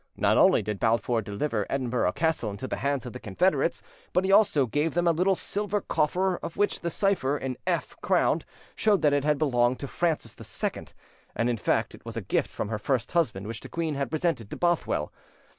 Not only did Balfour deliver Edinburgh Castle into the hands of the Confederates, but he also gave them a little silver coffer of which the cipher, an "F" crowned, showed that it had belonged to Francis II; and in fact it was a gift from her first husband, which the queen had presented to Bothwell.